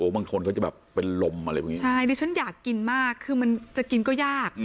บางคนเขาจะแบบเป็นลมอะไรพวกนี้ใช่ดิฉันอยากกินมากคือมันจะกินก็ยาก